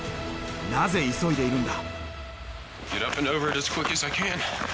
なぜ急いでいるんだ？